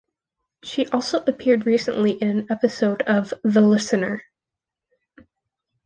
She also appeared recently in an episode of "The Listener".